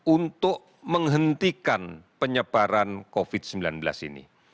untuk menghentikan penyebaran covid sembilan belas ini